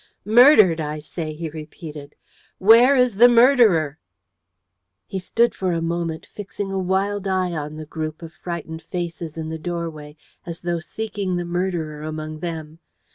"Murdered, I say!" he repeated. "Where is the murderer?" He stood for a moment, fixing a wild eye on the group of frightened faces in the doorway, as though seeking the murderer among them.